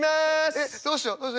「えっどうしよう？」。